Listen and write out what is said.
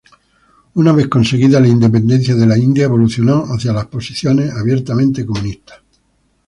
Una vez conseguida la independencia de la India evolucionó hacia posiciones abiertamente comunistas.